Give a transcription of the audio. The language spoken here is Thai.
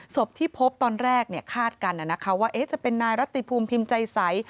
ศพที่พบตอนแรกคาดกันว่าจะเป็นนายรัติภูมิพิมพ์ใจใส